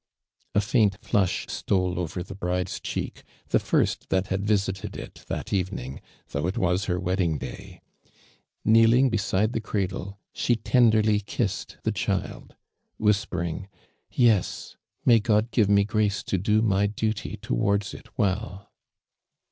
A faint flush stole over the bride's cheek, the first that hail visited it that evening, though it was her wedding day. Kneeling ARMAXD DURAND. n beside tho cmrllo, she ten«lerly kissed the diild, wiiispfring :" YcH. Miiy (lod give me grace to do my duty towards it well